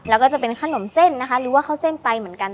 แล้วก็จะเป็นขนมเส้นนะคะหรือว่าข้าวเส้นไปเหมือนกัน